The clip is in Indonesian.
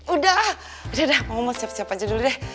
udah udah udah mama mau siap siap aja dulu deh